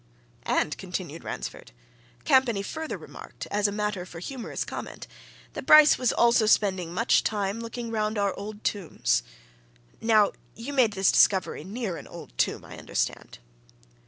"And," continued Ransford, "Campany further remarked, as a matter for humorous comment, that Bryce was also spending much time looking round our old tombs. Now you made this discovery near an old tomb, I understand?"